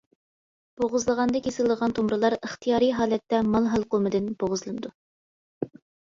بوغۇزلىغاندا كېسىلىدىغان تومۇرلار ئىختىيارى ھالەتتە مال ھەلقۇمىدىن بوغۇزلىنىدۇ.